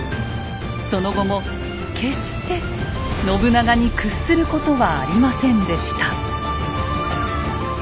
その後も決して信長に屈することはありませんでした。